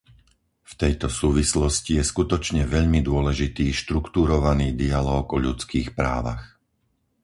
V tejto súvislosti je skutočne veľmi dôležitý štruktúrovaný dialóg o ľudských právach.